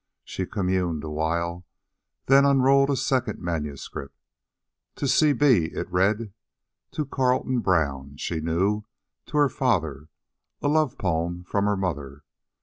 She communed a while, then unrolled a second manuscript. "To C. B.," it read. To Carlton Brown, she knew, to her father, a love poem from her mother.